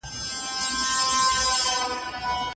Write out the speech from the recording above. ستا رګو ته د ننګ ویني نه دي تللي